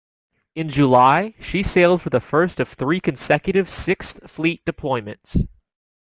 In July, she sailed for the first of three consecutive Sixth Fleet deployments.